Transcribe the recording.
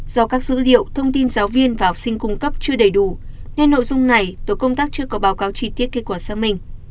do các dữ liệu thông tin giáo viên và học sinh cung cấp chưa đầy đủ nên nội dung này tổ công tác chưa có báo cáo chi tiết kết quả xác minh